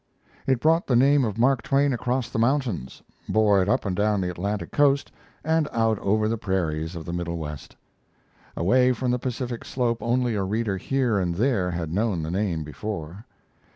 It brought the name of Mark Twain across the mountains, bore it up and down the Atlantic coast, and out over the prairies of the Middle West. Away from the Pacific slope only a reader here and there had known the name before.